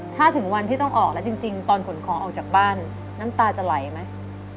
ถ้าถึงวันที่ต้องออกแล้วจริงตอนขนของออกจากบ้านน้ำตาจะไหลไหม